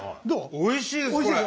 おいしいですこれ。